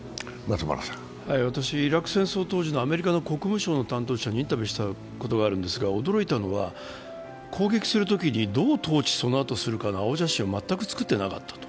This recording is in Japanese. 私、イラク戦争当時のアメリカの国務省の担当者にインタビューしたことがありますが、驚いたのは、攻撃するときにどう、そのあとに統治をするかの青写真を全く作っていなかったと。